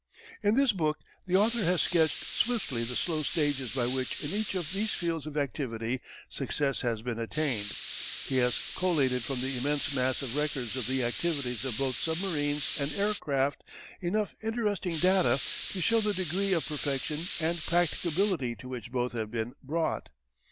In this book the author has sketched swiftly the slow stages by which in each of these fields of activity success has been attained. He has collated from the immense mass of records of the activities of both submarines and aircraft enough interesting data to show the degree of perfection and practicability to which both have been brought.